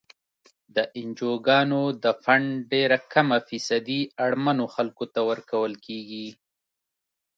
د انجوګانو د فنډ ډیره کمه فیصدي اړمنو خلکو ته ورکول کیږي.